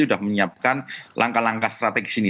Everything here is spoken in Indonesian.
sudah menyiapkan langkah langkah strategi sini